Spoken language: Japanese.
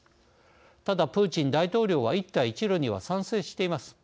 ただ、プーチン大統領は一帯一路には賛成しています。